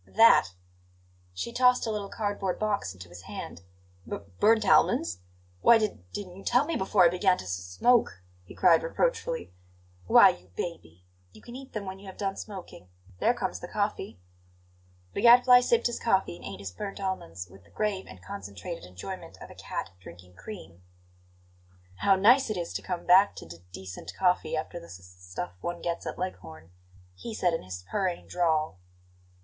"That!" She tossed a little cardboard box into his hand. "B burnt almonds! Why d didn't you tell me before I began to s smoke?" he cried reproachfully. "Why, you baby! you can eat them when you have done smoking. There comes the coffee." The Gadfly sipped his coffee and ate his burnt almonds with the grave and concentrated enjoyment of a cat drinking cream. "How nice it is to come back to d decent coffee, after the s s stuff one gets at Leghorn!" he said in his purring drawl.